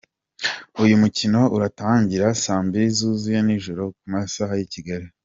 Uyu mukino uratangira Saa Mbiri zuzuye z'ijoro ku masaha y'i Kigali.